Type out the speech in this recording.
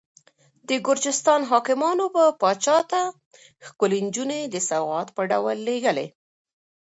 د ګرجستان حاکمانو به پاچا ته ښکلې نجونې د سوغات په ډول لېږلې.